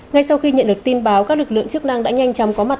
ngay sau khi nhận được tin báo các lực lượng chức năng đã nhanh chóng có mặt